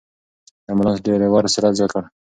د امبولانس ډرېور سرعت زیات کړ.